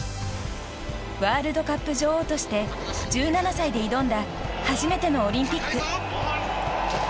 ワールドカップ女王として１７歳で挑んだ初めてのオリンピック。